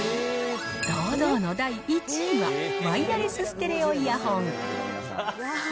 堂々の第１位は、ワイヤレスステレオイヤホン。